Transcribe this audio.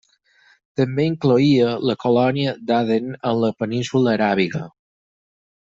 També incloïa la colònia d'Aden en la Península Aràbiga.